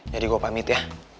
jadi gue pamit ya